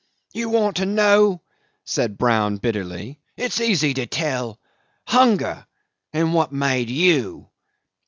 "You want to know," said Brown bitterly. "It's easy to tell. Hunger. And what made you?"